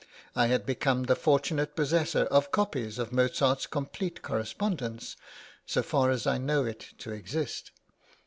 I had become the fortunate possessor of copies of Mozart's complete correspondence, so far as I know it to exist.